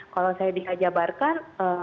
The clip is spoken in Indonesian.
kalau saya dikajabarkan